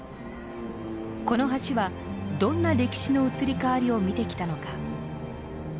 この橋はどんな歴史の移り変わりを見てきたのか。